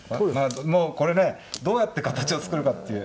これねどうやって形を作るかっていう。